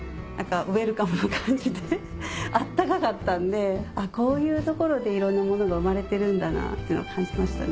ウエルカムな感じで温かかったんでこういう所でいろんなものが生まれてるんだなっていうのを感じましたね。